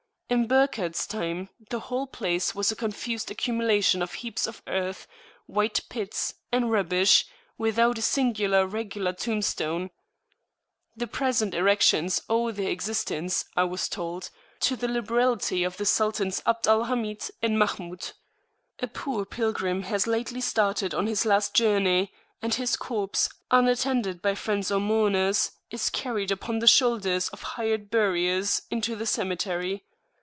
In Burckhardts time the whole place was a confused accumulation of heaps of earth, wide pits, and rubbish, without a singular regular tomb stone. The present erections owe their existence, I was told, to the liberality of the Sultans Abd al Hamid and Mahmud. A poor pilgrim has lately started on his last journey, and his corpse, unattended by friends or mourners, is carried upon the shoulders of hired buriers into the cemetery.